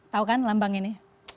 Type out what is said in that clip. tahu kan lambang ini